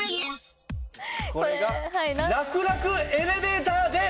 これが楽々エレベーターです！